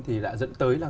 thì đã dẫn đến